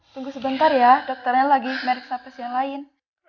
tunggu sebentar ya dokternya lagi memeriksa pesihan lain